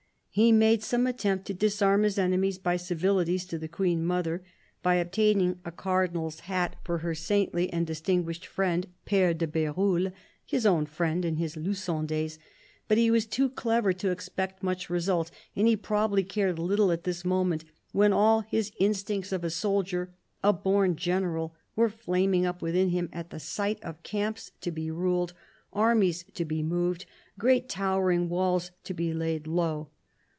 He made some attempt to disarm his enemies by civilities to the Queen mother, by obtaining a Cardinal's Hat for her saintly and dis THE CARDINAL 187 tinguished friend Pere de Bdrulle — his own friend in his Lugon days; but he was too clever to expect much result, and he probably cared little at this moment, when all his instincts of a soldier, a born general, were flaming up within him at the sight of camps to be ruled, armies to be moved, great towering walls to be laid low.